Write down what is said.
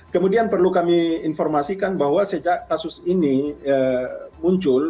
kemudian perlu kami informasikan bahwa sejak kasus ini muncul